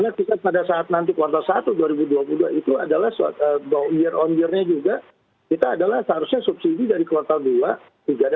karena pada saat nanti kuartal satu dua ribu dua puluh dua itu adalah year on year nya juga kita adalah seharusnya subsidi dari kuartal dua tiga dan empat